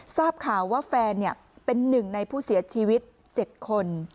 ทราบข่าวว่าแฟนเป็นหนึ่งในผู้เสียชีวิต๗คน